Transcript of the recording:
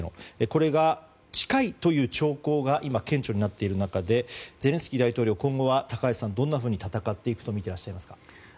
これが近いという兆候が今、顕著になっている中でゼレンスキー大統領は今後、どんなふうに戦っていくと見ていらっしゃいますか？